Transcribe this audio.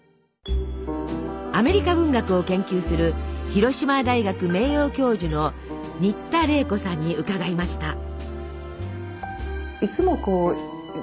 アメリカ文学を研究する広島大学名誉教授の新田玲子さんにうかがいました。